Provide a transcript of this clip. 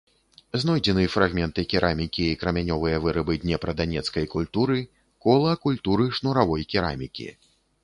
Знойдзены фрагменты керамікі і крамянёвыя вырабы днепра-данецкай культуры, кола культуры шнуравой керамікі.